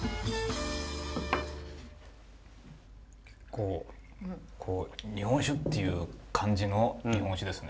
結構「日本酒！」っていう感じの日本酒ですね。